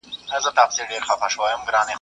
o هر چا ته خپل وطن کشمير دئ.